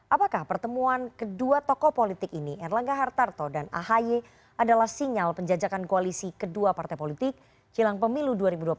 apakah pertemuan kedua tokoh politik ini erlangga hartarto dan ahy adalah sinyal penjajakan koalisi kedua partai politik jelang pemilu dua ribu dua puluh empat